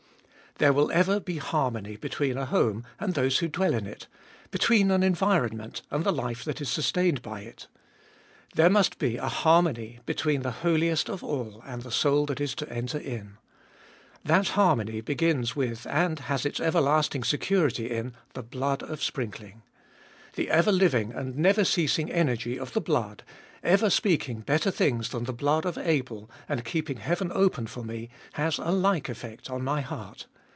There will ever be harmony between a home and those who dwell in it, between an environment and the life that is sustained by it. There must be harmony between the Holiest of All and the soul that is to enter in. That harmony begins with, and has its everlasting security in, the blood of sprinkling. The ever living and never ceasing energy of the blood, ever speak ing better things than the blood of Abel and keeping heaven open for me, has a like effect on my heart.